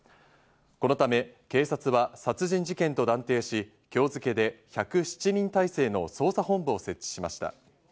このため警察は殺人事件と断定し、今日付で１０７人体制の捜査本部を設置しました。